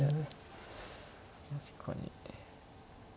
確かに。